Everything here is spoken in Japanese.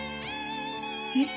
え？